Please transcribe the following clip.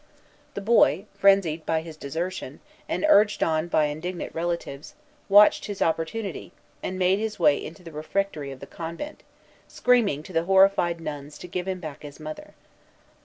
The boy, frenzied by his desertion, and urged on by indignant relatives, watched his opportunity, and made his way into the refectory of the convent, screaming to the horrified nuns to give him back his mother.